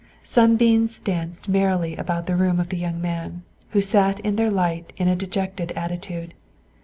Sunbeams danced merrily about the room of the young man, who sat in their light in a dejected attitude.